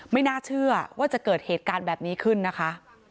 ไม่น่าเชื่อว่าจะเกิดเหตุการณ์แบบนี้ขึ้นนะคะ